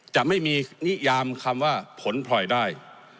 จะไม่มีนิยามคำว่าผลพลอยได้